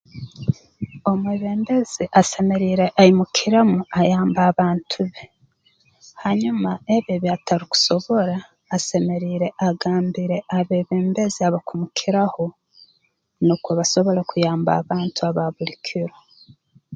Omwebembezi asemeriire aimukiremu ayambe abantu be hanyuma ebi ebi atarukusobora asemeriire agambire abeebembezi abakumukiraho nukwo basobole kuyamba abantu aba buli kiro